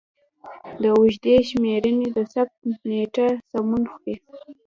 د اوږدې شمېرنې د ثبت نېټه سمون خوري.